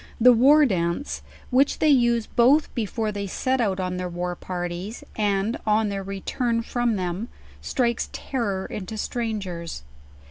The War Dance, which they use both brfore they set out en ther war parties, and on their return from them, strikes terror into strangers.